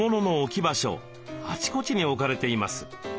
あちこちに置かれています。